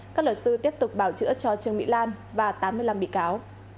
các luật sư tiếp tục bảo chữa cho trương mỹ lan và tám mươi năm bị cáo